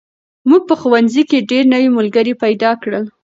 موږ په ښوونځي کې ډېر نوي ملګري پیدا کړل.